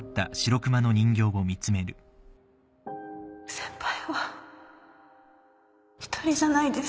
先輩は一人じゃないです